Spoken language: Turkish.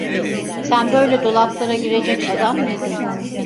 Sen böyle dolaplara girecek adam miydin!